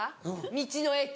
道の駅。